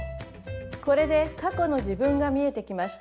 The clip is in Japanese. これで過去の自分が見えてきました。